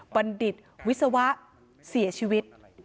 บรรดิษฐ์วิศวะเสียชีวิต